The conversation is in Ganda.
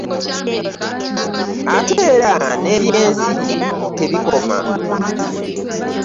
Ate era n'ebyensi tebikoma.